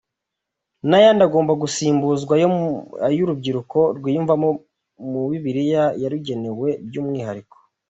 n’ayandi agomba gusimbuzwa ayo urubyiruko rwiyumvamo mu Bibiliya yarugenewe by’umwihariko.